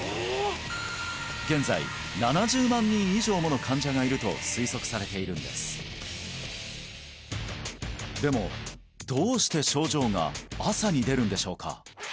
現在７０万人以上もの患者がいると推測されているんですでもどうして症状が朝に出るんでしょうか？